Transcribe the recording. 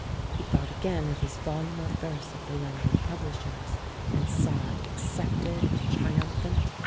He thought again of his volume of verse at the London publishers', and saw it accepted and tri umphant.